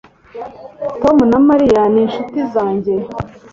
Tom na Mariya ni inshuti zanjye